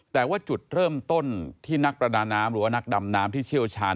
แต่ว่าจุดเริ่มต้นที่นักประดาน้ำหรือว่านักดำน้ำที่เชี่ยวชาญ